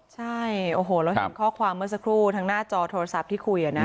ใช่โอ้โหแล้วเห็นข้อความเมื่อสักครู่ทางหน้าจอโทรศัพท์ที่คุย